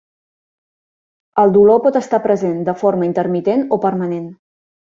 El dolor pot estar present de forma intermitent o permanent.